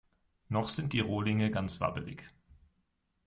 Noch sind die Rohlinge ganz wabbelig.